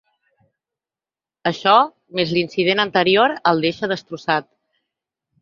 Això, més l'incident anterior, el deixa destrossat.